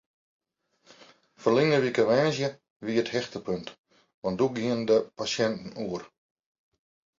Ferline wike woansdei wie it hichtepunt want doe gienen de pasjinten oer.